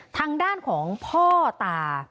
ทางด้านของพ่อตา